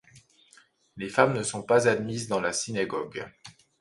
Les femmes ne sont pas admises dans la synagogue.